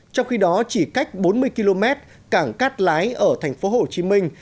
trong khi đó chỉ cách bốn mươi km cảng cát lái ở thành phố hồ chí minh